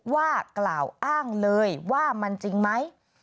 กล่าวอ้างเลยว่ามันจริงไหม